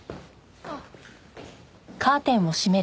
あっ。